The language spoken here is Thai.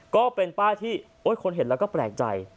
ก็เป็นป้ายที่คนเห็นแล้วก็แปลกใจ